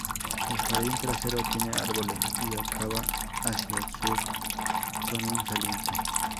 El jardín trasero tiene árboles y acaba hacia el sur con un saliente.